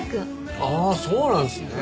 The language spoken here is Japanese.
ああそうなんですね。